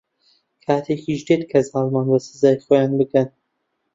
کاتێکیش دێت کە زاڵمان بە سزای خۆیان بگەن.